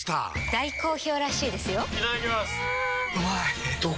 大好評らしいですよんうまい！